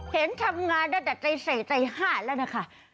เห็นทำงานได้แต่ใจใส่ใจห้าแล้วนะคะ